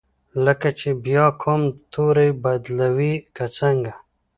لکه چې بیا کوم توری بدلوي که څنګه؟